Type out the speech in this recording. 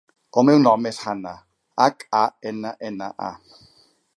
El meu nom és Hanna: hac, a, ena, ena, a.